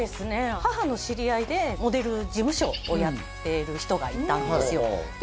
母の知り合いでモデル事務所をやってる人がいたんですよで